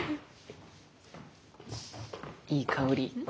いい香り。